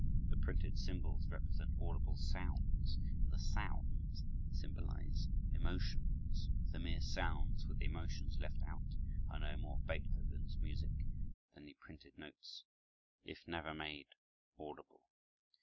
The printed symbols represent audible sounds and the sounds symbolize emotions. The mere sounds with the emotions left out are no more Beethoven's music than the printed notes if never made audible.